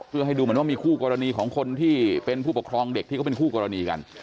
เพื่อให้ดูเหมือนว่ามีคู่กรณีของคนที่เป็นผู้ปกครองเด็กที่เขาเป็นคู่กรณีกัน